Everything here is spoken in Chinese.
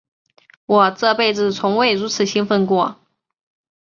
我这辈子从未如此兴奋过。